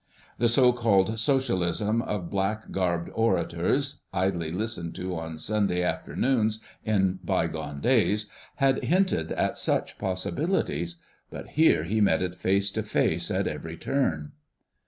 The so called Socialism of black garbed orators, idly listened to on Sunday afternoons in bygone days, had hinted at such possibilities—but here he met it face to face at every turn.